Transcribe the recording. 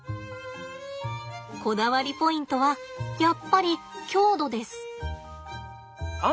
こだわりポイントはやっぱり強度です。